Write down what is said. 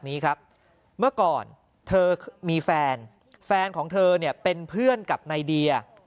นี้ครับเมื่อก่อนเธอมีแฟนแฟนของเธอเนี่ยเป็นเพื่อนกับนายเดีย